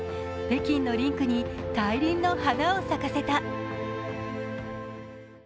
北京のリンクに大輪の花を咲かせた。